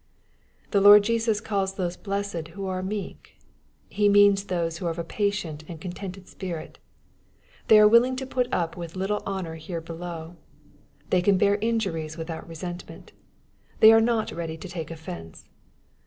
The Lord Jesus calls those blessed, who are Tneeh. He means those who are of a patient and contented spirit. They are willing to put up with little honor here below. They can bear injuries without resentment. They are not ready to take offence.